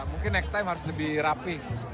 mungkin next time harus lebih rapi